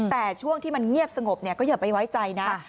แต่ช่วงที่มันเงียบสงบก็อย่าไปไว้ใจนะ